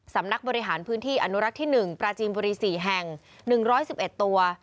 สำนักบริหารพื้นที่อนุรักษ์ที่๑ปราจีนบุรี๔แห่ง๑๑๑ตัว